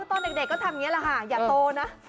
ตอนเด็กก็ทำอย่างนี้แหละค่ะอย่าโตนะ